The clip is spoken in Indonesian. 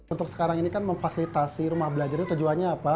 untuk sekarang ini kan memfasilitasi rumah belajar itu tujuannya apa